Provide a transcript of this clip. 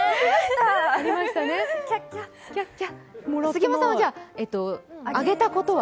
杉山さん、あげたことは？